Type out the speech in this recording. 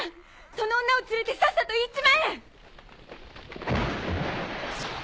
その女を連れてさっさと行っちまえ！サン。